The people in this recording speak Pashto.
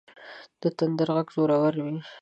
د تندر غږ زورور وي.